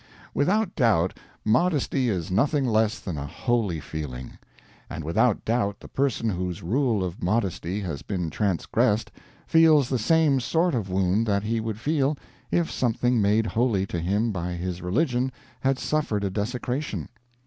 Without doubt modesty is nothing less than a holy feeling; and without doubt the person whose rule of modesty has been transgressed feels the same sort of wound that he would feel if something made holy to him by his religion had suffered a desecration.